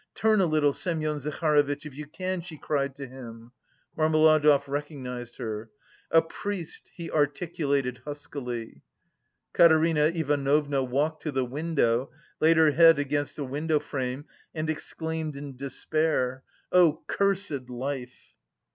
Turn a little, Semyon Zaharovitch, if you can," she cried to him. Marmeladov recognised her. "A priest," he articulated huskily. Katerina Ivanovna walked to the window, laid her head against the window frame and exclaimed in despair: "Oh, cursed life!"